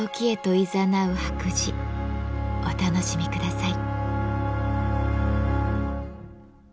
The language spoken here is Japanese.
お楽しみください。